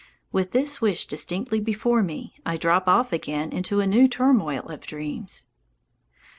With this wish distinctly before me I drop off again into a new turmoil of dreams.